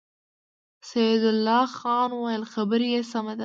سيدال خان وويل: خبره يې سمه ده.